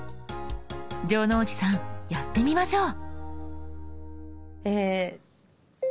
城之内さんやってみましょう。